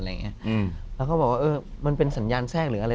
แล้วเขาบอกว่าเออมันเป็นสัญญาณแทรกหรืออะไร